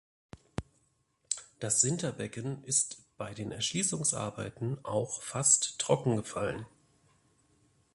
Das Sinterbecken ist bei den Erschließungsarbeiten auch fast trockengefallen.